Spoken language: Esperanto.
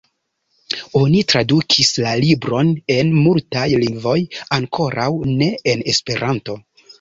Oni tradukis la libron en multaj lingvoj, ankoraŭ ne en Esperanto.